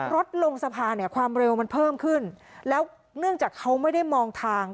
รถลงสะพานเนี่ยความเร็วมันเพิ่มขึ้นแล้วเนื่องจากเขาไม่ได้มองทาง